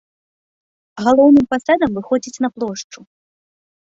Галоўным фасадам выходзіць на плошчу.